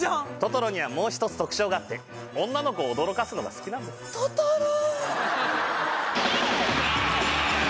トトロにはもう一つ特徴があって女の子を驚かすのが好きなんですトトロ！